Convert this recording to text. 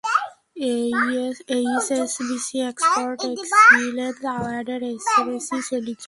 HSBC export excellence অ্যাওয়ার্ডের SME শ্রেণির জন্য মনোনয়ন জমা নেওয়ার সময়সীমা বাড়িয়েছে।